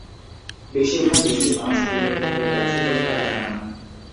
বেশির ভাগ দেশি মাছ বিলুপ্ত হয়ে গেছে বলে তাঁরা জানান।